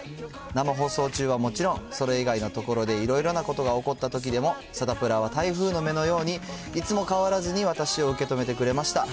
生放送中はもちろん、それ以外のところで、いろいろなことが起こったときでも、サタプラは台風の目のように、いつも変わらずに私を受け止めてくれました。